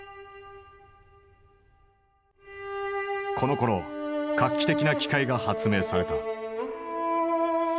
このころ画期的な機械が発明された。